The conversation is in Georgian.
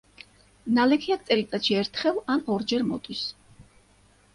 ნალექი აქ წელიწადში ერთხელ ან ორჯერ მოდის.